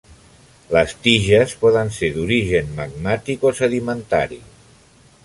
Les tiges poden ser d'origen magmàtic o sedimentari.